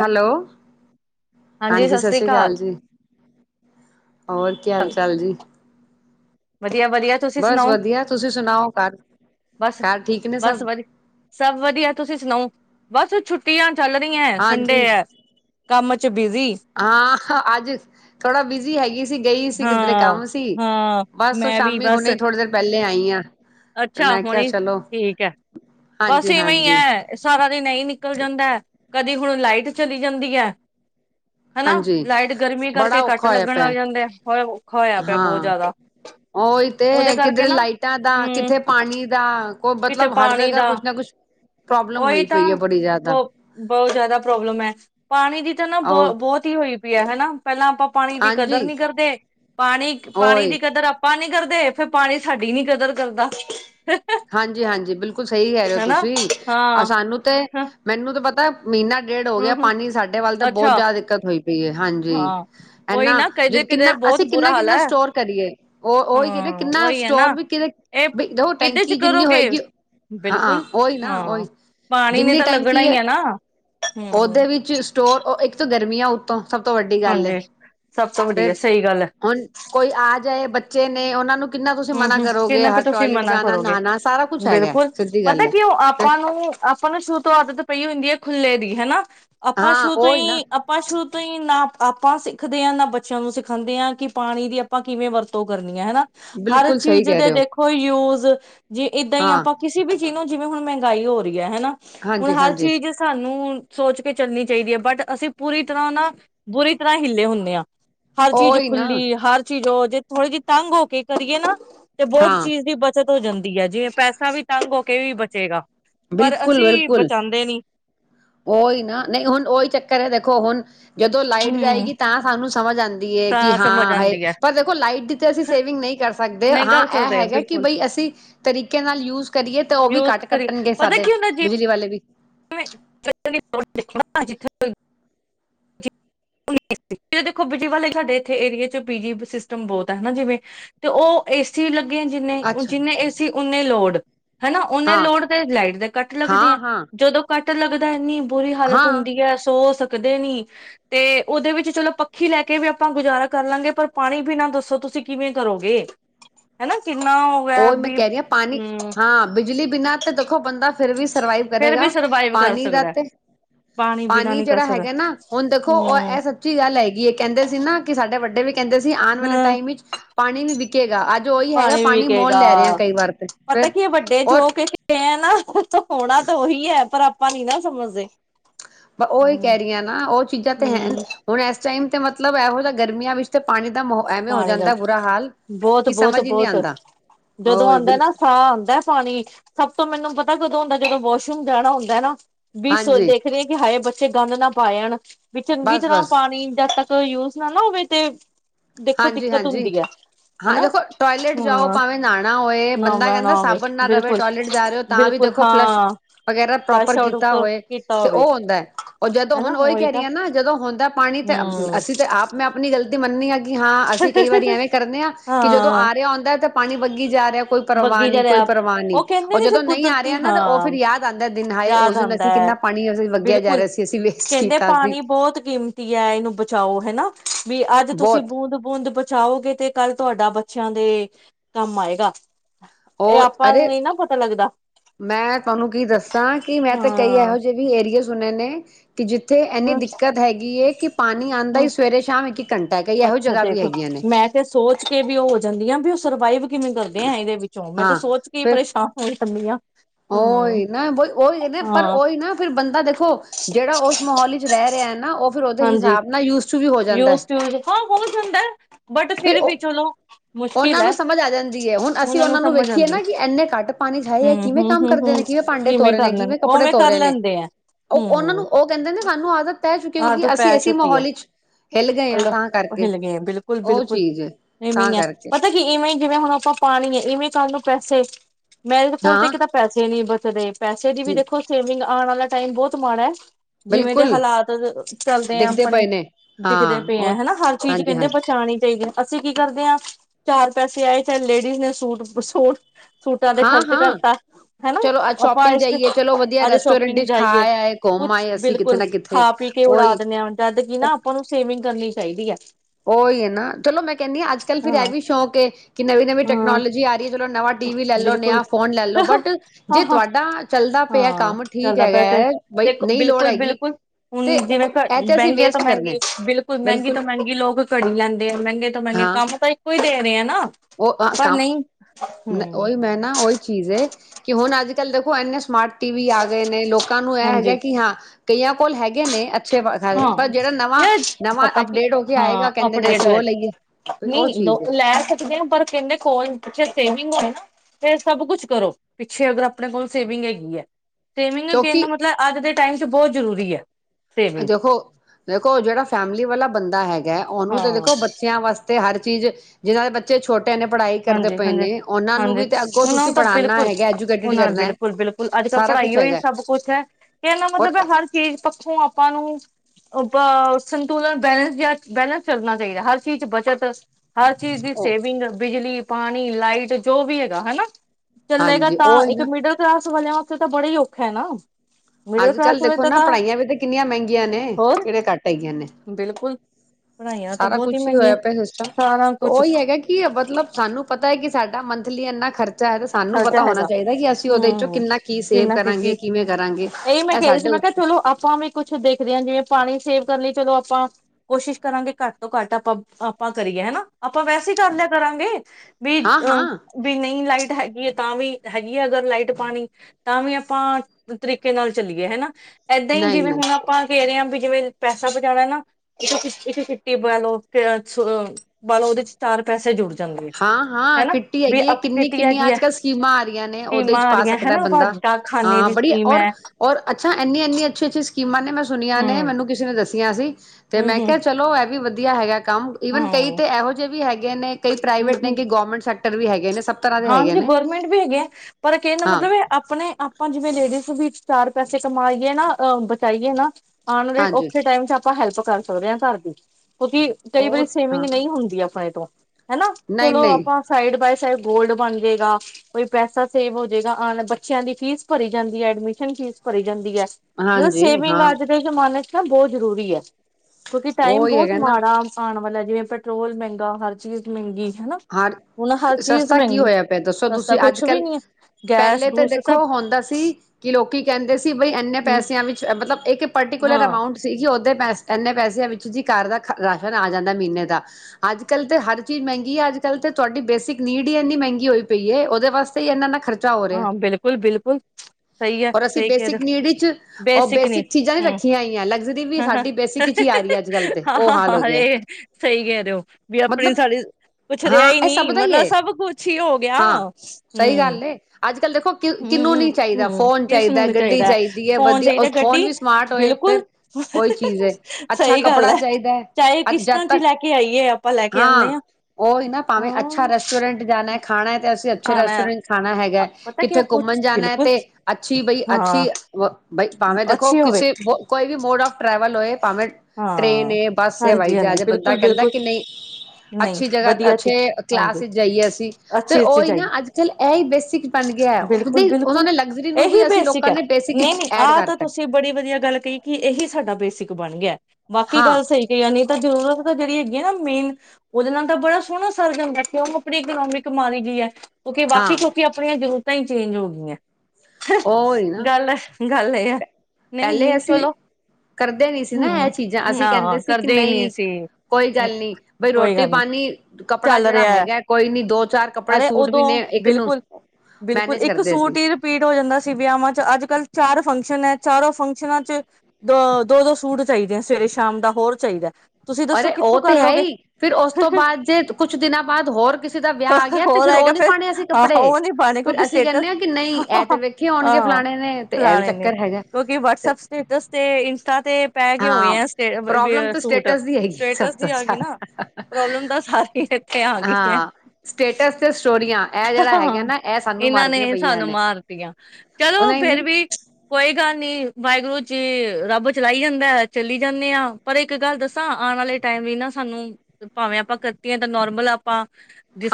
Hello. ਹਾਂਜੀ ਸਤਿ ਸ੍ਰੀ ਅਕਾਲ। [inaudible] ਹੋਰ ਕੀ ਹਾਲ ਚਾਲ ਜੀ। ਵਧੀਆ ਵਧੀਆ ਤੁਸੀਂ ਬਸ ਸੁਣਾਓ ਵਧੀਆ ਤੁਸੀਂ ਸੁਣਾਓ ਘਰ ਬਸ ਘਰ ਠੀਕ ਨੇ ਸਭ ਬਸ ਵਧੀ ਸਭ ਵਧੀਆ ਤੁਸੀਂ ਸੁਣਾਓ। ਬਸ ਉਹ ਛੁੱਟੀਆਂ ਚੱਲ ਰਹੀਆਂ ਸੰਡੇ ਹਾਂਜੀ ਐ। ਕੰਮ ਚ ਬਿਜ਼ੀ ਹਾਂ ਅੱਜ ਥੋੜਾ ਬਿਜੀ ਹੈਗੀ ਸੀ। ਗਈ ਸੀ ਕਿਧਰੇ ਹਾਂ ਕੰਮ ਸੀ ਹਾਂ ਬਸ ਉਹ ਮੈਂ ਵੀ ਸ਼ਾਮੀ ਬਸ ਹੁਣੇ ਥੋੜੀ ਦੇਰ ਪਹਿਲੇ ਆਈ ਆ ਤੇ ਅੱਛਾ ਮੈਂ ਕਿਹਾ ਹੁਣੀ ਚਲੋ ਠੀਕ ਹੈ ਬਸ ਹਾਂਜੀ ਇਵੇਂ ਹੀ ਹਾਂਜੀ ਹੈ ਸਾਰਾ ਦਿਨ ਇਹੀ ਨਿਕਲ ਜਾਂਦਾ ਕਦੀ ਹੁਣ ਲਾਈਟ ਚਲੀ ਜਾਂਦੀ ਹੈ। ਹਨਾ। ਹਾਂਜੀ ਲਾਈਟ ਗਰਮੀ ਕਰਕੇ ਬੜਾ ਕੱਟ ਔਖਾ ਹੋਇਆ ਲੱਗਣ ਲੱਗ ਪਿਆ ਜਾਂਦੇ ਆ। [inaudible] ਔਖਾ ਹੋਇਆ ਪਿਆ ਬਹੁਤ ਹਾਂ ਜ਼ਿਆਦਾ ਉਹੀ ਤੇ ਉਹਦੇ ਕਰਕੇ ਕਿਧਰੇ ਨਾ ਲਾਈਟਾਂ ਦਾ ਹਮ ਕਿੱਥੇ ਪਾਣੀ ਦਾ ਕੋਈ ਕਿਤੇੇ ਮਤਲਬ ਹਰ ਪਾਣੀ ਜਗ੍ਹਾ ਦਾ ਕੁਛ ਨਾ ਕੁਛ ਪ੍ਰੋਬਲਮ ਉਹੀ ਹੋਈ ਤਾਂ ਪਈ ਹੈ ਬੜੀ ਜ਼ਿਆਦਾ ਬ ਬਹੁਤ ਜ਼ਿਆਦਾ ਪ੍ਰੋਬਲਮ ਐ ਪਾਣੀ ਦੀ ਤਾਂ ਨਾ ਉਹ ਬਹੁ ਬਹੁਤ ਹੀ ਹੋਈ ਪਈ ਐ ਹਨਾ। ਪਹਿਲਾਂ ਆਪਾਂ ਪਾਣੀ ਦੀ ਕਦਰ ਹਾਂਜੀ ਨੀ ਕਰਦੇ ਪਾਣੀ ਪਾਣੀ ਉਹੀ ਦੀ ਕਦਰ ਆਪਾਂ ਨੀ ਕਰ ਦੇ ਫੇਰ ਪਾਣੀ ਸਾਡੀ ਨੀ ਕਦਰ ਕਰਦਾ। ਹਾਂਜੀ ਹਾਂਜੀ ਬਿਲਕੁਲ ਸਹੀ ਕਹਿ ਰਹੇ ਹੋ ਹਨਾ ਤੁਸੀਂ ਹਾਂ ਸਾਨੂੰ ਤੇ ਹ ਮੈਨੂੰ ਤਾਂ ਪਤਾ ਮਹੀਨਾ ਡੇਢ ਹੋ ਗਿਆ ਹਮ ਹਮ ਪਾਣੀ ਸਾਡੇ ਵੱਲ ਤਾਂ ਬਹੁਤ ਅੱਛਾ ਜ਼ਿਆਦਾ ਦਿੱਕਤ ਹੋਈ ਪਈ ਹੈ ਹਾਂਜੀ ਹਾਂ ਉਹੀ ਐਨਾ ਨਾ ਜੇ ਕਿਤੇ ਕਿਤੇ ਕਿੰਨਾ ਬਹੁਤ ਅਸੀਂ ਬੁਰਾ ਕਿੰਨਾ ਹਾਲ ਕਿੰਨਾ ਹੈ ਸਟੋਰ ਕਰੀਏ ਉਹ ਉਹੀ ਕਹਿੰਦੇ ਹਾਂ ਕਿੰਨਾ ਉਹੀ ਹੈ ਸਟੋਰ ਨਾ ਵੀ ਕਿ ਇਹ ਵੀ ਟੈਂਕ ਕਿਹਦੇ ਚ ਕਰੋਗੇ ਬਿਲਕੁਲ ਨਾ ਹਾਂ ਉਹੀ ਪਾਣੀ ਨੇ ਜਿੰਨੀ ਤਾਂ ਲੱਗਣਾ ਟੈਂਕੀ ਹੀ ਹੈ ਨਾ ਹਮ ਉਹਦੇ ਵਿੱਚ ਸਟੋਰ ਇੱਕ ਤੋਂ ਗ ਗਰਮੀਆਂ ਉੱਤੋਂ ਸਭ ਤੋਂ ਵੱਡੀ ਗੱਲ ਹਾਂਜੀ ਸਭ ਤੋਂ ਵਧੀਆ ਫੇਰ ਸਹੀ ਗੱਲ ਹੈ ਹੁਣ ਕੋਈ ਆ ਜਾਏ ਬੱਚ ਬੱਚੇ ਨੇ ਉਹਨਾਂ ਨੂੰ ਕਿੰਨਾ ਤੁਸੀਂ ਹਮ ਮਨਾ ਹਮ ਕਰੋਗੇ ਕਿੰਨਾ ਕੁ ਹਰ ਤੁਸੀਂ ਟੋਇਲੇਟ ਮਨਾ ਜਾਣਾ ਕਰੋਗੇ ਨਹਾਣਾ ਸਾਰਾ ਕੁਛ ਹੈਗਾ ਬਿਲਕੁਲ ਸਿੱਧੀ ਗੱਲ ਪਤਾ ਕਿ ਉਹ ਹੈ ਆਪਾਂ ਨੂੰ ਆਪਾਂ ਨੂੰ ਸ਼ੁਰੂ ਤੋਂ ਆਦਤ ਪਈ ਹੁੰਦੀ ਹੈ ਖੁੱਲੇ ਦੀ ਹਨਾ ਆਪਾਂ ਹਾਂ ਸ਼ੂ ਤੋਂ ਉਹੀ ਨਾ ਹੀ ਆਪਾਂ ਸੁਰੂ ਤੋਂ ਹੀ ਨਾ ਆਪਾਂ ਸਿੱਖਦੇ ਹਾਂ ਨਾ ਬੱਚਿਆਂ ਨੂੰ ਸਿਖਾਉਦੇ ਕਿ ਪਾਣੀ ਦੀ ਆਪਾਂ ਕਿਵੇਂ ਵਰਤੋਂ ਕਰਨੀ ਆ ਹਨਾ ਹਰ ਬਿਲਕੁਲ ਸਹੀ ਚੀਜ਼ ਕਹਿ ਦੇ ਰਹੇ ਹੋ ਦੇਖੋ ਯੂਜ ਜ ਜੇ ਇਦਾਂ ਹੀ ਹਾਂ ਆਪਾਂ ਕਿਸੇ ਵੀ ਚੀਜ਼ ਨੂੰ ਜਿਵੇਂ ਹੁਣ ਮਹਿੰਗਾਈ ਹੋ ਰਹੀ ਹੈ ਹਨਾ ਹੁਣ ਹਾਂਜੀ ਹਰ ਹਾਂਜੀ ਚੀਜ਼ ਸਾਨੂੰ ਹੁ ਸੋਚ ਕੇ ਚੱਲਣੀ ਚਾਹੀਦੀ ਹੈ ਬਟ ਅਸੀਂ ਪੂਰੀ ਤਰ੍ਹਾਂ ਨਾ ਬੁਰੀ ਤਰ੍ਹਾਂ ਹਿੱਲੇ ਹੁੰਨੇ ਹਾਂ ਹਰ ਚੀਜ਼ ਉਹੀ ਨਾ ਖੁੱਲੀ ਹਰ ਚੀਜ਼ ਰੋਜ਼ ਜੇ ਥੋੜੀ ਜਿਹੀ ਤੰਗ ਹੋਕੇ ਕਰੀਏ ਨਾ ਤੇ ਬਹੁਤ ਹਾਂ ਚੀਜ਼ ਦੀ ਬੱਚਤ ਹੋ ਜਾਂਦੀ [unintelligible] ਜਿਵੇ ਪੈਸਾ ਵੀ ਤੰਗ ਹੋ ਕੇ ਵੀ ਬਚੇਗਾ ਪਰ ਬਿਲਕੁੱਲ ਅਸੀਂ ਬਿਲਕੁੱਲ ਬਚਾਉਂਦੇ ਨੀ ਉਹੀ ਨਾ ਨਹੀਂ ਹੁਣ ਉਹੀ ਚੱਕਰ ਹੈ ਦੇਖੋ ਹੁਣ ਜਦੋਂ ਲਾਈਟ ਹਮ ਜਾਏਗੀ ਤਾਂ ਸਾਨੂੰ ਸਮਝ ਆਉਂਦੀ ਹੈ ਕਿ ਤਾਂ ਸਮਝ ਹਾਂ ਹੈ ਆਉਂਦੀ ਪਰ ਦੇਖੋ ਲਾਈਟ ਦੀ ਤੇ ਅਸੀਂ ਸੇਵਿੰਗ ਨਹੀਂ ਕਰ ਸਕਦੇ ਨਹੀਂ ਹਾਂ ਕਰ ਇਹ ਸਕਦੇ ਹੈਗਾ ਕਿ ਬਿਲਕੁਲ ਬਈ ਅਸੀਂ ਤਰੀਕੇ ਨਾਲ ਯੂਜ ਕਰੀਏ ਤਾਂ ਉਹ ਵੀ ਯੂਜ ਕੱਟ ਕੱਟ ਕੱਟਣਗੇ ਸਾਡੇ ਬਿਜਲੀ ਵਾਲੇ ਵੀ [inaudible] ਇਥੇ ਏਰੀਏ ਚ ਬੀਜੀ ਸਿਸਟਮ ਬਹੁਤ ਹੈ ਹਨ ਜਿਵੇਂ ਤੇ ਉਹ ਏਸੀ ਲ ਜਿੰਨੇ ਅੱਛਾ ਜਿੰਨੇ ਇਸ ਉਨੇ ਲੋੜ ਹਨਾ ਉਹਨਾ ਦੀ ਹਾਂ, ਲੋੜ ਤੇ ਲਾਈਟ ਦੇ ਕੱਟ ਲੱਗਦੀ ਹਾਂ, ਹੈ। ਹਾਂ, ਘੱਟ ਲੱਗਦਾ ਇਨੀ। ਬੁਰੀ ਹਾਲਤ ਹਾਂ ਹੁੰਦੀ ਹੈ, ਸੋ ਸਕਦੇ ਨੀ ਤੇ ਉਹਦੇ ਵਿੱਚ ਚਲੋ ਪੱਖੀ ਲੈ ਕੇ ਵੀ ਆਪਾਂ ਗੁਜ਼ਾਰਾ ਕਰ ਲਾਂਗੇ ਪਰ ਪਾਣੀ ਬਿਨਾ ਦੱਸੋ ਤੁਸੀਂ ਕਿਵੇਂ ਕਰੋਗੇ ਹਨਾ ਕਿੰਨਾ ਹੋ ਗਿਆ ਉਹ ਮੈਂ ਵੀ ਕਹਿ ਰਹੀ ਹਾਂ ਪਾਣੀ ਹਮ ਹਾਂ ਬਿਜਲੀ ਬਿਨਾਂ ਤੇ ਦੇਖੋ, ਬੰਦਾ ਫਿਰ ਵੀ ਸਰਵਾਈਵ ਫੇਰ ਵੀ ਕਰੇਗਾ ਸਰਵਾਈਵ ਕਰ ਪਾਣੀ ਦਾ ਸਕਦਾ ਤੇ ਬਿਨਾਂ ਪਾਣੀ ਨੀ ਕਰ ਜਿਹੜਾ ਸਕਦਾ ਹੈਗਾ ਨਾ ਹੁਣ ਦੇਖੋ, ਉਹ ਹਮ ਇਹ ਸੱਚੀ ਗੱਲ ਹੈਗੀ ਹੈ ਕਹਿੰਦੇ ਸੀ ਨਾ ਕਿ ਡ ਵੱਡੇ ਵੀ ਕਹਿੰਦੇ ਸੀ, ਆਣ ਵਾਲੇ ਹਾਂ ਟਾਈਮ ਵਿੱਚ ਪਾਣੀ ਵੀ ਵਿਕੇਗਾ ਅੱਜ ਉਹੀ ਹੈਗਾ। ਮੋਲ ਹੈਗਾ ਲੈ ਰਹੇ ਆ ਕਈ ਵਾਰ ਤੇ ਪਤਾ ਫਿਰ ਕੀ ਵੱਡੇ ਔਰ ਜੋ ਕਿ ਨਾ, ਹੋਣਾ ਤਾਂ ਉਹੀ ਹੈ, ਪਰ ਆਪ ਆਪਾਂ ਨੀ ਨਾ ਸਮਝਦੇ। ਮੈਂ ਉਹੀ ਹੂੰ ਕਹਿ ਰਹੀਆਂ ਨਾ ਉਹ ਚੀਜ਼ਾਂ ਤੇ ਹੈ ਹੂੰ ਹੁਣ ਇਸ ਟਾਈਮ। ਤੇ ਮਤਲਬ ਇਹੋ ਜਿਹਾ ਗਰਮੀਆਂ ਵਿੱਚ ਤੇ ਪਾਣੀ ਦਾ ਮੋ ਐਵੇਂ ਹੋ ਪਾਣੀ ਦਾ ਜਾਂਦਾ ਬੁਰਾ ਹਾਲ ਬਹੁਤ ਕਿ ਬਹੁਤ ਸਮਝ ਹੀ ਨਹੀਂ ਬਹੁਤ ਆਉਂਦਾ ਜਦੋਂ ਉਹੀ ਆਦਾ ਨਾ ਬਿਲਕੁਲ ਸਾਹ ਆਦਾ ਪਾਣੀ ਸਭ ਤੋਂ ਮੈਨੂੰ ਪਤਾ। ਕਦੋਂ ਹੁੰਦਾ ਜਦੋਂ ਵਾਸ਼ਰੂਮ ਜਾਣਾ ਹੁੰਦਾ ਹੈ ਨਾ, ਵੀ ਸ ਹਾਂਜੀ ਦੇਖ ਰਹੇ ਕਿ ਹਾਏ ਬੱਚ ਬੱਚੇ ਗੰਦ ਨਾ ਪਾਏ ਆਣ। ਵੀ ਚੰਗੀ ਬਸ ਤਰ੍ਹਾਂ ਬਸ ਪਾਣੀ ਜਦ ਤੱਕ, ਤੋ ਯੂਜ਼ ਨਾ ਹੋਵੇ ਤੇ। ਦੇਖੋ ਹਾਂਜੀ ਦਿੱਕਤ ਹਾਂਜੀ ਹੁੰਦੀ ਹੈ ਹਾਂ ਹਨਾ ਦੇਖੋ ਟੋਇਲੇਟ ਜਾਓ ਹਾਂ ਭਾਵੇਂ ਨਹਾਣਾ ਹੋਏ ਨਾ ਬੰਦਾ ਵੇ ਕਹਿੰਦਾ ਵੇ ਸਾਬਣ ਨਾ ਰਵੇ ਬਿਲਕੁਲ ਟੋਇਲੇਟ ਜਾ ਰਹੇ ਹੋ ਤਾਂ ਵੀ ਬਿਲਕੁਲ ਦੇਖੋ ਫਲਸ਼ ਹਾਂ ਵਗੈਰਾ ਪ੍ਰੋਪਰ ਫਲੈਸ਼ ਆਊਟ ਕੀਤਾ ਹੋਏ ਤੇ ਹੋਵੇ ਉਹ ਹੁੰਦਾ ਹੈ ਉਹ ਜਦੋਂ ਹਨਾ ਹੁਣ ਉਹੀ ਕਹਿ ਤਾਂ ਰਹੀਆਂ ਨਾ ਜਦੋਂ ਹੁੰਦਾ ਪਾਣੀ ਤੇ ਹੂੰ ਅਸੀਂ ਤਾਂ ਆਪ ਮੈਂ ਆਪਣੀ ਗਲਤੀ ਮੰਨਨੀ ਆ ਕਿ ਹਾਂ ਅਸੀਂ ਕਈ ਵਾਰੀ ਐਵੇਂ ਕਰਦੇੇ ਹਾਂ ਕਿ ਜਦੋਂ ਹਾਂ ਆ ਰਿਹਾ ਹੁੰਦਾ ਤਾਂ ਪਾਣੀ ਵੱਗੀ ਜਾ ਰਿਹਾ ਕੋਈ ਪਰਵਾਹ ਬੱਗੀ ਜਿਹਾ ਨੀ ਕੋਈ ਰੈਪ ਪਰਵਾਹ ਨੀ ਉਹ ਕਹਿੰਦੇ ਔਰ ਫਿਰ ਜਦੋਂ ਨਹੀਂ ਆ ਕੁਦਰਤੀ ਰਿਹਾ ਨਾ ਤਾਂ ਉਹ ਹਾਂ ਫਿਰ ਯਾਦ ਆਦਾ ਦਿਨ ਹਏ ਯਾਦ ਉਸ ਦਿਨ ਆਉਂਦਾ ਅਸੀਂ ਹੈ ਕਿੰਨਾ ਪਾਣੀ ਅਸੀ ਵੱਗਿਆ ਜਾ ਬਿਲਕੁਲ ਰਿਹਾ ਸੀ, ਅਸੀਂ ਵੇਸਟ ਕਹਿੰਦੇ ਕੀਤਾ ਸੀ ਪਾਣੀ ਬਹੁਤ ਕੀਮਤੀ ਹੈ ਇਹਨੂੰ ਬਚਾਓ ਹਨਾ ਵੀ ਅੱਜ ਤੁਸੀਂ ਬਹੁਤ ਬੂੰਦ ਬੂੰਦ ਬਚਾਓਗੇ ਤੇ ਕੱਲ ਤੁਹਾਡਾ ਬੱਚਿਆਂ ਦੇ ਕੰਮ ਆਏਗਾ। ਇਹ ਉਹ ਆਪਾਂ ਨੂੰ ਅਰੇ ਨਹੀਂ ਨਾ ਪਤਾ ਲੱਗਦਾ ਮੈਂ ਤੁਹਾਨੂੰ ਕੀ ਦੱਸਾਂ ਕਿ ਮੈਂ ਤੇ ਕਈ ਹਾਂ ਇਹੋ ਜਿਹੇ ਵੀ ਏਰੀਏ ਚ ਸੁਣੇ ਨੇ, ਕਿ ਜਿੱਥੇ ਇੰਨੀ ਹਮ ਦਿੱਕਤ ਹੈਗੀ ਕਿ ਪਾਣੀ ਆਉਂਦਾ ਈ ਸਵੇਰੇ ਸ਼ਾਮ ਇੱਕ ਘੰਟਾ ਕਈ ਇਹੋ ਅੱਛਾ ਜਗ੍ਹਾ ਵੀ ਦੇਖੋ, ਹੈਗੀਆਂ ਨੇ ਮੈਂ ਤੇ ਸੋਚ ਕੇ ਵੀ ਉਹ ਹੋ ਜਾਂਦੀ ਆਂ ਵੀ [unintelligible] ਕਿਵੇਂ ਕਰਦੇ ਆ ਇਹਦੇ ਵਿੱਚੋਂ ਮੈਂ ਤਾਂ ਹਾਂ ਸੋਚ ਕੇ ਹੀ ਫਿਰ ਪਰੇਸ਼ਾਨ ਹੋਈ। [unintelligible] ਉਹੀ ਨਾ ਉਹੀ ਨਾ ਪਰ ਹਾਂ ਉਹੀ ਨਾ ਫਿਰ ਬੰਦਾ ਦੇਖੋ, ਜਿਹੜਾ ਉਸ ਮਾਹੌਲ ਵਿੱਚ ਰਹਿ ਰਿਹਾ ਨਾ ਉਹ ਫਿਰ ਉਹਦੇ ਹਿਸਾਬ ਨਾਲ ਯੂਜ ਟੂ ਵੀ ਹੋ ਜਾਂਦਾਵ ਰਫਾ ਵਾਲਾ ਹ ਫਿਰ ਉਹ ਉਹਨਾਂ ਹੈ ਨੂੰ ਸਮਝ ਆ ਜਾਂਦੀ ਹੈ ਹੁਣ ਅਸੀਂ ਉਹਨਾਂ ਨੂੰ ਵੇਖੀਏ ਨਾ ਕਿ ਇੰਨੇ ਘੱਟ ਪਾਣੀ ਛਾਏ ਹੈ ਹਮ ਕਿਵੇਂ ਹਮ ਕੰਮ ਹਮ ਕਰਦੇ ਹਮ ਨੇ ਕਿਵੇਂ ਭਾਂਡੇ ਤੋ ਰਹੇ ਕਰ ਨੇ ਲੈਂਦੇ ਕਿਵੇਂ ਕੱਪੜੇ ਉਵੇਂ ਤੋ ਕਰ ਰਹੇ ਨੇ ਲੈਂਦੇ ਆ ਉਹ ਉਹਨਾਂ ਹਮ ਨੂੰ ਉਹ ਕਹਿੰਦੇ ਨੇ ਸਾਨੂੰ ਆਦਤ ਕਹਿ ਚੁੱਕੇ ਹੋ ਕਿਉਂਕਿ ਆਦਤ ਅਸੀਂ ਪੈ ਇਸੇ ਚੁੱਕੀ ਮਾਹੌਲ ਹੈ ਵਿੱਚ ਹਿੱਲ ਗਏ ਹਾਂ ਤਾਂ ਕਰਕੇ ਬਿਲੁਲ ਉਹ ਬਿਲਕੁਲ ਚੀਜ਼ ਏ ਤਾਂ ਇਹ ਹੈ ਕਰਕੇ ਪਤਾ ਕੀ ਇਵੇਂ ਹੀ ਜਿਵੇਂ ਹੁਣ ਆਪਾਂ ਪਾਣੀ ਏ ਇਵੇਂ ਤੁਹਾਨੂੰ ਪੈਸੇ ਮੈਰੇ ਕੋਲ ਤੇ ਹਾਂ ਇੱਕ ਤਾਂ ਪੈਸੇ ਨੀ [unintelligible] ਪੈਸੇ ਦੀ ਵੀ ਦੇਖੋ ਸੇਵਿੰਗ ਆਉਣ ਵਾਲਾ ਟਾਈਮ ਬਹੁਤ ਮਾੜਾ ਜਿਵੇਂ ਦੇ ਬਿਲਕੁਲ ਹਾਲਾਤ ਚਲਦੇ ਆ ਦਿਖਦੇ ਆਪਣੇ ਪਏ ਨੇ ਦਿਖਦੇ ਹਾਂ ਪਏ ਉਹ ਆ ਹਨਾ ਹਰ ਚੀਜ਼ ਹਾਂਜੀ ਕਹਿੰਦੇ ਹਾਂਜੀ ਪਛਾਣੀ ਤੇ ਠ ਅਸੀਂ ਕੀ ਕਰਦੇ ਹਾਂ ਚਾਰ ਪੈਸੇ ਆਏ ਚਾਹੇ ਲੇਡੀਜ਼ ਨੇ ਸੂਟ ਸੂਟ ਸੂਟਾਂ ਦੇ ਹਾਂ ਖਰਚ ਹਾਂ ਕਰਤਾ ਹਨਾ ਚਲੋ ਅੱਜ ਆਪਾਂ ਸ਼ੋਪਿੰਗ ਇਸ ਤੇ ਜਾਈਏ ਚਲੋ ਵਧੀਆ ਅਜ ਰੈਸਟੋਰੈਂਟ ਸ਼ੋਪਿੰਗ ਵਿੱਚ ਖਾ ਜਾਈਏ ਆਏ ਘੁੰਮ ਕੁਛ ਆਏ ਅਸੀਂ ਕਿੱਥੇ ਬਿਲਕੁਲ ਨਾ ਕਿੱਥੇ ਖਾ ਪੀ ਕੇ ਉਡਾ ਉਹੀ ਦਿੰਦੇ ਹਾਂ ਜਦ ਕਿ ਉਹ ਨਾ ਆਪਾਂ ਨੂੰ ਸੇਵਿੰਗ ਕਰਨ ਲਈ ਚਾਹੀਦੀ ਹੈ ਉਹੀ ਹੈ ਨਾ ਚਲੋ ਮੈਂ ਕਹਿੰਦੀ ਹਾਂ ਅੱਜ ਕੱਲ ਫਿਰ ਇਹ ਵੀ ਸ਼ੌਕ ਨਵੀਂ ਨਵੀਂ ਹਾਂ ਟੈਕਨੋਲੋਜੀ ਆ ਰਹੀ ਚਲੋ ਨਵਾਂ ਟੀਵੀ ਲੈ ਲਓ ਬਿਲਕੁਲ ਨਿਆ ਫੋਨ ਲੈ ਲਓ ਬਟ ਹਾਂ ਜੇ ਹਾਂ ਤੁਹਾਡਾ ਚੱਲਦਾ ਪਿਆ ਹਾਂ ਕੰਮ ਠੀਕ ਚੱਲਦਾ ਪਿਆ ਤੇ ਹੈਗਾ ਬਈ ਦੇਖੋ ਨਹੀਂ ਲੋੜ ਬਿਲਕੁਲ ਹੈਗੀ ਬਿਲਕੁਲ ਤੇ ਹੁਣ ਜਿਵੇਂ ਇਥੇ ਅਸੀਂ ਮਹਿੰਗੇ ਤੋਂ ਵੇਸਟ ਕਰਨੇ ਮਹਿੰਗੀ ਬਿਲਕੁਲ ਮਹਿੰਗੀ ਤੋਂ ਮਹਿੰਗੀ ਲੋਕ ਲੈਂਦੇ ਆ ਮਹਿੰਗੇ ਤੋਂ ਮਹਿੰਗੇ ਹਾਂ ਕੰਮ ਕੋਈ ਦੇ ਰਹੇ ਆ ਨਾ ਪਰ ਨਹੀਂ ਹੂੰ, ਉਹ ਮੈਂ ਨਾ ਉਹੀ ਚੀਜ਼ ਹ ਕਿ ਹੁਣ ਅੱਜ ਕੱਲ [unintelligible] ਟੀਵੀ ਆ ਗਏ ਨੇ ਲੋਕਾਂ ਨੂੰ ਇਹ ਹਾਂਜੀ ਹੈਗੇ ਕਿ ਹਾਂ ਕਈਆਂ ਕੋਲ ਹੈ [unintelligible] ਪਤਾ ਕੀ ਅਪਡੇਟ ਹੋ ਕੇ ਹਾਂ ਆਏਗਾ ਕਹਿੰਦੇ ਨੇ ਅਪਡੇਟ ਅਸੀਂ ਉਹ ਲਈਏ ਉਹ ਨਹੀਂ ਚੀਜ਼ ਹੈ ਲੈ ਸਕਦੇ ਕਹਿੰਦੇ ਕੋਲ ਪਿੱਛੇ ਸੇਵਿੰਗ ਹੋ ਨਾ ਫ ਸਭ ਕੁਛ ਕਰੋ ਪਿੱਛੇ ਅਗਰ ਆਪਣੇ ਕੋਲ ਸੇਵਿੰਗ ਹੈਗੀ ਹੈ ਸੇਵਿੰਗ ਕਿਉਂਕਿ ਮਤਲਬ ਅੱਜ ਦੇ ਟਾਈਮ ਚ ਬਹੁਤ ਜ਼ਰੂਰੀ ਹੈ ਸੇਵਿੰਗ। ਅਜ ਹੋ ਦੇਖੋ ਜਿਹੜਾ ਫੈਮਿਲੀ ਵਾਲਾ ਬੰਦਾ ਹੈਗਾ ਇਹ ਉਹਨੂੰ ਤੇ ਹਾਂ ਦੇਖੋ ਬੱਚਿਆਂ ਵਾਸਤੇ ਤੇ ਹਰ ਚੀਜ਼, ਜਿਹਨਾਂ ਦੇ ਬੱਚੇ ਛੋਟ ਹਾਂਜੀ, ਹਂਜੀ, ਹਾਂਜੀ। ਤੇ ਅੱਗੋਂ ਉਹਨਾਂ ਤੁਸੀਂ ਨੂੰ ਤਾਂ ਪੜ੍ਹਾਉਣਾ ਬਿਲਕੁਲ, ਹੈਗਾ ਐਜੂਕੇਟਿਡ ਉਹਨਾਂ ਨੂੰ ਕਰਨਾ ਹੈ ਬਿਲਕੁਲ ਬਿਲਕੁਲ। ਅੱਜ ਕੱਲ ਸਾਰਾ ਪੜ੍ਹਾਈ ਕੁਛ ਪੜ੍ਹਾਈਉਈ ਹੈਗਾ ਸਭ ਕੁਛ ਐ। ਕੈਨ ਦਾ ਔਰ ਮਤਲਬ ਹੈ ਹਰ ਚੀਜ਼ ਪੱਖੋਂ ਆ ਆਪਾਂ ਨੂੰ ਅਪਾ ਸੰਤੁਲਨ ਬੈਲੈਂਸ ਜਿਹਾ ਬੈਲੇੈਂਸ ਚੱਲਣਾ ਚਾਹੀਦੈ, ਹਰ ਚੀਜ਼ ਚ ਬਚਤ ਹਰ ਚੀਜ਼ ਦੀ ਸੇਵਿੰਗ। ਬਿਜਲੀ ਪਾਣੀ ਲਾਈਟ, ਜੋ ਵੀ ਹੈਗਾ ਹੈਨਾ। ਚੱਲੇਗਾ ਹਾਂਜੀ ਤਾਂ ਉਹ ਇੱਕ ਨਾ ਮਿਡਲ ਕਲਾਸ ਸ ਵਾਲਿਆਂ ਵਾਸਤੇ ਤਾਂ ਬੜਾ ਹੀ ਔਖਾ ਐ ਨਾ। ਮਿਡਲ ਅੱਜ ਕਲਾਸ ਕੱਲ੍ਹ ਵਾਲੇ ਦੇਖੋ ਤਾਂ ਨਾ ਤਾਂ ਪੜ੍ਹਾਈਆਂ ਵੀ ਤੇ ਕਿੰਨੀਆਂ ਮਹਿੰਗੀਆਂ ਨੇ, ਹੋਰ ਕਿਹੜੇ ਘੱਟ ਹੈਗੀਆਂ ਨੇ। ਬਿਲਕੁਲ ਪੜ੍ਹਾਈਆਂ ਤਾਂ ਸਾਰਾ ਬਹੁਤ ਕੁਛ ਹੀ ਹੋਇਆ ਮਹਿੰਗੀਆਂ ਪੈ ਸਿਸਟਮ, ਸਾਰਾ ਤੇ ਕੁਛ ਉਹੀ ਹੈਗਾ ਕੀ ਇਹ ਮਤਲਬ ਸਾਨੂੰ ਪਤਾ ਐ ਕਿ ਸਾਡਾ ਮੰਥਲੀ ਐਨਾ ਖਰ ਖ਼ਰਚਾ ਹੈਗਾ। ਚੋਂ ਹਮ, ਕਿੰਨਾ ਕੀ ਸੇਵ ਜਿੰਨਾ ਕਿ ਕਰਾਂਗੇ ਕੀ ਕਿਵੇਂ ਕਰਾਂਗੇ ਇਹੀ ਮੈਂ ਇਹ ਕਹਿ ਰੀ ਸੀ, ਸਾਡੇ ਮੈਂ ਕਿਹਾ ਉੱਤੇ ਚਲੋ ਆਪਾਂ ਵੀ ਕੁੱਛ ਦੇਖਦੇ ਹਾਂ ਜਿਵੇਂ ਪਾਣੀ ਸੇਵ ਕਰਨ ਲਈ ਚਲੋ ਆਪਾਂ ਕੋਸ਼ਿਸ਼ ਕਰਾਂਗੇ ਘੱਟ ਤੋਂ ਘੱਟ ਆਪਾਂ ਆਪਾਂ ਕਰੀਏ ਹੈਨਾ। ਆਪਾਂ ਵੈਸੇ ਹੀ ਕਰ ਲਿਆ ਕਰਾਂਗੇ। ਵੀ ਹਾਂ ਅ ਹਾਂ ਵੀ ਨਹੀਂ ਲਾਈ ਹੈਗੀ ਹੈ ਤਾਂ ਵੀ, ਹੈਗੀ ਹੈ ਅਗਰ ਲਾਈਟ ਪਾਣੀ, ਤਾਂ ਵੀ ਆਪਾਂ ਤਰੀਕੇ ਨਾਲ ਚੱਲੀਏ ਹੈਨਾ। ਏਦਾਂ ਈ ਜਿਵੇਂ ਨਹੀਂ-ਨਹੀਂ ਹੁਣ ਆਪਾਂ ਦੇ ਰੇ ਆਂ ਵੀ ਜਿਵੇਂ ਪੈਸਾ ਬਚਾਣਾ ਏ ਨਾ, ਇਕ, ਇਕ ਕਿਟੀ ਪਾਲੋ, ਫਿਰ ਅ ਸੋ ਅ ਪਾਲੋ। ਉਹਦੇ ਵਿਚ ਚਾਰ ਪੈਸੇ ਜੁੜ ਜਾਂਦੇ ਆ ਹਾਂ ਹਾਂ, ਹਨਾ ਕਿੱਟੀ ਵੀ ਹੈਗੀ ਏ ਅਪ ਕਿੰਨੀ ਕ ਕਿੱਟੀ ਕਿੰਨੀਆਂ ਹੈਗੀ ਅੱਜ ਹੈ ਕੱਲ੍ਹ ਸਕੀਮਾਂ ਆ ਰਹੀਆਂ ਨੇ, ਉਹਦੇ ਸਕੀਮਾਂ ਚ ਆ ਪਾ ਰਹੀਆਂ ਸਕਦੈ ਹਨਾ ਆਪਾਂ ਬੰਦਾ। ਡਾਕਖਾਨੇ ਹਾਂ, ਦੀ ਬੜੀ ਸਕੀਮ ਔਰ ਹੈ ਔਰ ਅੱਛਾ ਐਨੀ ਐਨੀ ਅੱਛੀ ਅੱਛੀ ਸਕੀਮ ਕੀਮਾ ਨੇ ਮੈਂ ਸੁਣਿਆ ਨੇ। ਹਮ ਮੈਨੂੰ, ਕਿਸੇ ਨੇ ਦੱਸ ਕੀਤੀਆਂ ਸੀ। ਤੇ ਹਮ ਮੈਂ ਹਮ ਕਿਹਾ ਚਲੋ ਐਹ ਵੀ ਵਧੀ ਵਧੀਆ ਹੈਗਾ। ਕੰਮ ਈਵਨ ਕਈ ਹਾਂ, ਤੇ ਐਹੋ ਜੇ ਵੀ ਹੈਗੇ ਨੇ ਕਈ ਪ੍ਰਾਈਵੇਟ ਨੇ ਕਈ ਗੌਰਮੈਂਟ ਸੈਕ ਟਰ ਵੀ ਹੈਗੇ ਨੇ। ਸਭ ਤਰ੍ਹਾਂ ਦੇ ਹੈਗੇ ਹਾਂਜੀ, ਨੇ ਗੌਰਮੈਂਟ ਵੀ ਹੈਗੇ ਐ। ਪਰ, ਕਹਿਣ ਦਾ ਹਾਂ ਮਤਲਬ ਏ ਆਪਣੇ ਆਪਾਂ ਜਿਵੇਂ ਲੇਡੀਜ਼ ਵੀ ਚਾਰ ਪੈਸੇ ਕਮਾਈਏ ਨਾ ਅ ਬਚਾਈਏ ਨਾ ਆਣ ਅਲੇ ਹਾਂਜੀ ਔਖੇ ਟਾਈਮ ਚ ਅਪ ਆਪਾਂ ਹੈਲਪ ਕਰ ਸਕਦੇ ਆਂ ਘਰ ਦੀ। ਕਿਉਂਕਿ ਕਈ ਉਹ ਵਾਰੀ ਸੇਵਿੰਗ ਹਾਂ ਨਹੀਂ ਹੁੰਦੀ ਆਪਣੇ ਤੋਂ। ਹੈਨਾ, ਚਲੋ, ਨਹੀਂ-ਨਹੀਂ ਆਪਾਂ ਸਾਈਡ ਬਾਏ ਸਰ ਗੋਲਡ ਬਣ ਜੇਗਾ ਕੋਈ ਪੈਸਾ ਸੇਵ ਹੋ ਜੇਗਾ ਬੱਚਿਆਂ ਦੀ ਫੀਸ ਭਰੀ ਜਾਂਦੀ ਹੈ। ਐਡਮਿਸ਼ਨ ਫੀਸ ਭਰੀ ਜਾਂਦੀ ਹੈ। ਮਤਲਬ ਹਾਂਜੀ ਸੇਵਿੰਗ ਹਾਂ ਅੱਜ ਦੇ ਜ਼ਮਾਨੇ ਚ ਬਹੁਤ ਜ਼ਰੂਰੀ ਹੈ। ਕਿਉਂਕਿ ਟਾਈਮ ਉਹੀ ਬਹੁਤ ਹੈਗਾ ਨਾ ਮਾੜਾ ਆਉਣ ਵਾਲਾ ਜਿਵੇਂ ਪੈਟਰੋਲ ਮਹਿੰਗਾ ਹਰ ਚੀਜ਼ ਮਹਿੰਗੀ ਹਨਾ ਹਰ ਉਹਣ ਸਸਤਾ ਕੀ ਹੋਇਆ ਪਿਆ ਦੱਸੋ ਤੁਸੀਂ, ਅੱਜ-ਕੱਲ ਨੀ ਹੈ ਗੈਸ ਪਹਿਲੇ ਤਾਂ ਗੂਸ ਸਭ ਦੇਖੋ ਹੁੰਦਾ ਸੀ ਕਿ ਲੋਕੀ ਕਹਿੰਦੇ ਸੀ ਬਈ ਇੰਨੇ ਹੂੰ ਪੈਸਿਆਂ ਵਿੱਚ ਮਤਲਬ ਇੱਕ ਪਰਟੀਕੁਲਰ ਹਾਂ ਅਮਾਊਂਟ ਸੀਗੀ ਉਹਦੇ ਪੈਸ ਇੰਨੇ ਪੈਸੇ ਵਿੱਚ ਜੀ ਘਰ ਦਾ ਰਾਸ਼ਨ ਆ ਜਾਂਦਾ ਮਹੀਨੇ ਦਾ ਅੱਜ-ਕੱਲ ਤਾਂ ਹਰ ਚੀਜ਼ ਮਹਿੰਗੀ ਆ ਅੱਜ ਚੱਲ ਤੇ ਤੁਹਾਡੀ ਬੇਸਿਕ ਨੀਡ ਹੀ ਇੰਨੀ ਮਹਿੰਗੀ ਹੋਈ ਪਈ ਉਹਦੇ ਵਾਸਤੇ ਹੀ ਇਹਨਾ ਖਰਚਾ ਹੋ ਰਿਹਾ ਹਾਂ ਬਿਲਕੁਲ-ਬਿਲਕੁਲ ਸਹੀ ਹੈ ਔਰ ਅਸੀਂ ਸਹੀ ਕਹਿ ਰਹੇ ਬੇਸਿਕ ਨੀਡ ਵਿੱਚ ਹੋ ਉਹ ਬੇਸਿਕ ਨੀ ਚੀਜ਼ਾਂ ਹੀ ਹੂ ਰੱਖੀਆਂ ਹੋਈਆਂ ਲਗਜ਼ਰੀ ਵੀ ਹਾਂ ਹਾਂ ਸਾਡੀ ਬੇਸਿਕ ਵਿੱਚ ਹੀ ਆ ਰਹੀ ਹੈ ਅੱਜ ਕੱਲ੍ਹ ਤੇ ਉਹ ਹਾਲ ਹੋ ਗਿਆ ਇਹ ਸਹੀ ਕਹਿ ਰਹੇ ਹੋ ਵੀ ਆਪਣੀ ਮਤਲਬ ਸਾਡੀ ਕੁੱਛ ਰਿਹਾ ਹਾਂ ਹੀ ਇਹ ਸਭ ਨਹੀਂ ਦਾ ਹੀ ਮਤਲਬ ਹੈ ਸਭ ਕੁਛ ਹੀ ਹੋਗਿਆ ਹਾਂ ਸਹੀ ਹਮ ਗੱਲ ਏ ਅੱਜ ਕੱਲ੍ਹ ਦੇਖੋ ਕਿ ਕਿਹਨੂੰ ਹਮ ਨੀ ਚਾਹੀਦਾ ਹਮ ਫੋਨ ਕਿਸਨੂੰ ਨੀ ਗੱਡੀ ਚਾਹੀਦਾ ਹੈ ਚਾਹੀਦੀ ਫੋਨ ਵਧੀਆ ਔਰ ਚਾਹੀਦਾ, ਫੋਨ ਗੱਡੀ ਵੀ ਸਮਾਰਟ ਹੋਏ ਬਿਲਕੁਲ ਫਿਰ ਉਹੀ ਚੀਜ਼ ਹੈ ਅੱਛਾ ਸਹੀ ਗੱਲ ਕੱਪੜਾ ਹੈ ਚਾਹੀਦਾ ਚਾਹੇ ਹੈ ਜਦ ਕਿਸ਼ਤਾਂ ਚ ਹੀ ਤੱਕ ਲੈ ਕੇ ਆਈਏ ਆਪਾਂ ਲੈ ਕੇ ਆਉਂਦੇ ਹਾਂ ਉਹਹੀ ਨਾ ਭਾਵੇਂ ਅੱਛਾ ਰੈਸਟੋਰੈਂਟ ਜਾਣਾ ਹੈ ਖਾਣਾ ਹੈ ਤੇ ਅਸੀਂ ਅੱਛੇ ਹਾਂ ਆਣਾ ਰੈਸਟੋਰੈਂਟ ਖਾਣਾ ਹੈਗਾ ਅ ਹੈ ਪਤਾ ਕਿੱਥੇ ਕੀ ਘੁੰਮਣ ਕੁਛ ਜਾਣਾ ਹੈ ਬਿਲਕੁਲ ਤੇ ਅੱਛੀ, ਬਈ ਹਾਂ ਅੱਛੀ ਬਈ ਭਾਵੇਂ ਦੇਖੋ ਅੱਛੀ ਹੋਵੇ ਕਿਸੇ ਕੋਈ ਵੀ ਮੋਡ ਆਫ ਟ੍ਰੇਵਲ [inaudible] ਭਾਵੇਂ ਟ੍ਰੇਨ ਹਾਂ ਏ, ਬੱਸ ਹੈ, ਹਾਂਜੀ ਹਾਂਜੀ ਵਾਈਜਹਾਜੇ ਬੰਦਾ ਬਿਲਕੁਲ ਕਹਿੰਦਾ ਬਿਲਕੁਲ ਕਿ ਨਹੀਂ ਨਹੀਂ ਅੱਛੀ ਜਗ੍ਹਾ ਵਧੀਆ ਚ ਅੱਛੇ ਹਾਂਜੀ ਕਲਾਸ ਜਾਈਏ ਅਸੀਂ ਤੇ ਅੱਛੀ ਅੱਛੀ ਉਹੀ ਨਾ ਚਾਹੀਏ ਅੱਜ-ਕੱਲ੍ਹ ਇਹਹੀ ਬੇਸਿਕ ਬਣ ਗਿਆ। ਬਿਲਕੁਲ ਉਹਨਾਂ ਬਿਲਕੁਲ ਨੇ ਲਗਜ਼ਰੀ ਨੂੰ ਇਹੀ ਵੀ ਅਸੀਂ ਬੇਸਿਕ ਲੋਕਾਂ ਹੈ ਨੇ ਬੇਸਿਕ ਨਹੀਂ ਨਹੀਂ ਐਡ ਆਹ ਤਾਂ ਕਰਤਾ ਤੁਸੀਂ ਸਿੱਖ ਬਣ ਗਿਆ। ਬਾਕੀ ਹਾਂ ਗੱਲ ਸਹੀ ਕਹੀਆ ਨਹੀ ਤਾਂ ਜ਼ਰੂਰਤ ਤਾਂ ਜਿਹੜੀ ਹੈਗੀ ਨਾ ਮੇਨ ਉਹਦੇ ਨਾਲ ਤਾਂ ਬੜਾ ਸੋਹਣਾ ਸਰ ਜਾਂਦਾ। ਕਿਉਂ ਆਪਣੀ ਇਕਨੋਮਿਕ ਮਾਰੀ ਗਈ ਹੈ। ਕਿਉਂਕਿ ਵਕੀ ਹਾਂ ਕਿਉਂਕਿ ਆਪਣੇੀਆਂ ਤਾਂਹੀ ਚੇਂਜ ਹੋ ਗਈਆਂ। ਉਹ ਹੀ ਨਾ ਗੱਲ ਗੱਲ ਇਹ ਆ ਨਹੀਂ ਪਹਿਲੇ ਨਹੀਂ ਅਸੀਂ ਚਲੋ ਕਰਦੇ ਨੀ ਸੀ ਨਾ ਇਹ ਚੀਜ਼ਾਂ ਹਮ ਅਸੀਂ ਕਹਿੰਦੇ ਹਾਂ ਸੀ ਕਿ ਕਰਦੇ ਹੀ ਨਹੀਂ ਸੀ ਕੋਈ ਗੱਲ ਨਹੀਂ ਬਈ ਕੋਈ ਰੋਟੀ ਗੱਲ ਨੀ ਪਾਣੀ ਕੱਪੜਾ ਚੱਲ ਜਿਹੜਾ ਰਿਹਾ ਹੈ, ਹੈਗਾ ਕੋਈ ਨੀ ਦੋ ਚਾਰ ਕੱਪੜੇ ਅਰੇ ਸੂਟ ਵੀ ਉਦੋਂ ਨੇ ਇੱਕ ਨੂੰ ਬਿਲਕੁਲ, ਬਿਲਕੁਲ ਮੈਨੇਜ ਇੱਕ ਕਰਦੇ ਸੀ ਸੂਟ ਹੀ ਰਿਪੀਟ ਹੋ ਜਾਂਦਾ ਸੀ ਵਿਆਹਵਾਂ ਚ ਅੱਜ ਕੱਲ ਚਾਰ ਫੰਕਸ਼ਨ ਹੈ ਚਾਰੋ ਫੰਕ ਨਾਂ ਚ ਦ ਦੋ, ਦੋ ਸੂਟ ਚਾਹੀਦੇ ਆ ਸਵੇਰੇ ਸ਼ਾਮ ਦਾ ਹੋਰ ਚਾਹੀਦਾ। ਤੁਸੀਂ ਅਰੇ ਦੱਸੋ ਉਹ ਕਿੱਥੋਂ ਤੇ ਕਰ ਹੈ ਲੋਗੇ ਹੀ ਫਿਰ ਉਸ ਤੋਂ ਬਾਅਦ ਜੇ ਕੁਛ ਦਿਨਾਂ ਬਾਅਦ ਹੋਰ ਕਿਸੇ ਦਾ ਵਿਆਹ ਆ ਗਿਆ ਤੇ ਹੋਰ ਫਿਰ ਉਹ ਹੈਗਾ ਨੀ ਪਾਉਣੇ ਅਸੀਂ ਹਾਂ ਕੱਪੜੇ ਉਹ ਨੀ ਪਾਣੇ ਫਿਰ ਕਿਉਂਕਿ ਅਸੀਂ ਕਹਿੰਦੇ ਸਟੇਟਸ ਹਾਂ ਕਿ ਨਹੀਂ ਇਹ ਤੇ ਵੇਖੇ ਆਉਣਗੇ ਹਾਂ ਫਲਾਣੇ ਨੇ ਤੇ ਇਹ ਵੀ ਫਲਾਣੇ ਨੇ ਚੱਕਰ ਹੈਗਾ ਕਿਉਂਕਿ ਤੇ ਵਟਸਐਪ ਸਟੇਟਸ ਤੇ ਇੰਸਟਾ ਤੇ ਪੈ ਕੇ ਹੋਏ ਹਾਂ ਆ ਸਟੇ ਪ੍ਰੋਬਲਮ ਤਾਂ ਸੂਟ ਸਟੇਟਸ ਦੀ ਹੈਗੀ ਸਭ ਸਟੇਟਸ ਤੋਂ ਦੀ ਆ ਗਈ ਨਾ ਜ਼ਿਆਦਾ ਪ੍ਰੋਬਲਮ ਤਾਂ ਸ ਇੱਥੇ ਆ ਗਈ ਹੈ, ਹਾਂ ਸਟੇਟਸ ਤੇ ਸਟੋਰੀਆਂ ਇਹ ਜਿਹੜਾ ਹੈਗਾ ਹਾਂ ਨਾ ਇਹ ਸਾਨੂੰ ਇਹਨਾਂ ਮਾਰਦੀਆਂ ਨੇ ਪਈਆਂ ਸਾਨੂੰ ਮਾਰਤੀਆਂ ਉਹ ਚਲੋ ਨਹੀਂ ਨਹੀਂ ਫੇਿਰ ਵੀ ਕੋਈ ਗੱਲ ਨਹੀਂ ਵਾਹਿਗੁਰੂ ਜੀ ਰੱਬ ਚਲਾਈ ਜਾਂਦਾ ਚਲੀ ਜਾਂਦੇ ਆਾਂ, ਪਰ ਇੱਕ ਗੱਲ ਦੱਸਾਂ ਆਉਣ ਵਾਲੇ ਟਾਈਮ ਵੀ ਨਾ ਸਾਨੂੰ ਭਾਵੇਂ ਆਪਾਂ ਯਾ ਤਾਂ ਨੋਰਮਲ ਆਪਾਂ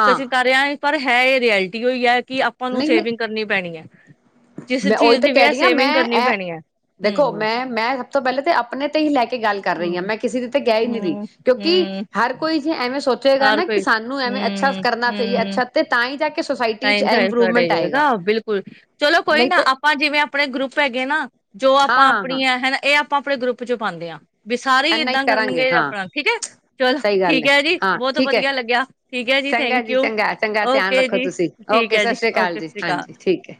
ਹਾਂ ਕਰਿਆਏ ਪਰ ਹੈ ਇਹ ਰਐਲਟੀ ਹੋਈ ਹੈ। ਕਿ ਆਪਾਂ ਨੂੰ ਨਹੀਂ, ਨਹੀਂ ਸੇਵਿੰਗ ਕਰਨੀ ਪੈਣੀ ਹੈ ਜਿਸ ਮੈਂ ਉਹੀ ਚੀਜ਼ ਤਾਂ ਦੀ ਵੀ ਕਹਿ ਹੈ ਰਹੀ ਹਾਂ ਸੇਵਿੰਗ ਮੈਂ ਕਰਨੀ ਇਹ ਪੈਣੀ ਹੈ ਦੇਖੋ ਹਮ ਮੈਂ ਮੈਂ ਸਭ ਤੋਂ ਪਹਿਲੇ ਤਾਂ ਆਪਣੇ ਤੇ ਹੀ ਲੈ ਕੇ ਗੱਲ ਕਰ ਰਹੀ ਹਾਂ ਹਮ ਮੈਂ ਕਿਸੇ ਦੀ ਤੇ ਗਹਿ ਹੀ ਨਹੀਂ ਰਹੀ ਹਮ ਕਿਉਂਕਿ ਹਮ ਹਰ ਕੋਈ ਜੇ ਐਵੇਂ ਸੋਚ ਪੁੇਗਾ ਹਰ ਨਾ ਕਿ ਕੋਈ ਸਾਨੂੰ ਐਵੇਂ ਅੱਛਾ ਹਮ ਕਰਨਾ ਚਾਹੀਏ ਅੱਛਾ ਤੇ ਤਾਂ ਤਾ ਈ ਜਾ ਕੇ ਸੋਸਾਈ ਨਟ ਜਾਏਗਾ ਬਿਲਕੁਲ ਚਲੋ ਕੋਈ ਨਹੀਂ ਨਾ ਤੇ ਆਪਾਂ ਜਿਵੇਂ ਆਪਣੇ ਗਰੁੱਪ ਹੈ ਗੇ ਨਾ ਜੋ ਹਾਂ ਆਪਾਂ ਹਾਂ ਹਾਂ ਆਪਣੀੀਆਂ ਹਨਾ ਇਹ ਆਪ ਆਪਾਂ ਆਪਣੇ ਗਰੁੱਪ ਚੋਂ ਪਾਉਦੇ ਹਾਂ ਬ ਸਾਰੇ ਇੰਨਾ ਹੀ ਏਦਾਂ ਕਰਾਂਗੇ ਕਰਨਗੇ ਹਾਂ ਆਪਣਾ ਠੀਕ ਹੈ। ਚਲੋ ਸਹੀ ਗੱਲ ਠੀਕ ਹੈ ਜੀ ਹਾਂ ਬਹੁਤ ਠੀਕ ਹੈ ਵਧੀਆ ਲੱਗਿਆ ਠੀਕ ਹੈ ਜੀ ਚੰਗਾ ਥੈਂਕ ਯੂ ਚੰਗਾ ਚੰਗਾ ਧਿਆਨ ਓਕੇ ਰੱਖੋ ਤੁਸੀਂ ਜੀ ਠੀਕ ਓਕੇ ਹੈ ਸਤ ਜੀ ਸ੍ਰੀ ਅਕਾਲ ਓਕੇ ਸਤਿ ਜੀ ਸ਼੍ਰੀ ਹਾਂਜੀ ਠੀਕ ਹੈ।